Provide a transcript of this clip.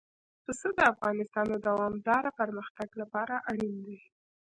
پسه د افغانستان د دوامداره پرمختګ لپاره اړین دي.